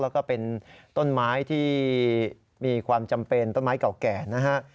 แล้วก็เป็นต้นไม้ที่มีความจำเป็นต้นไม้เก่าแก่นะฮะ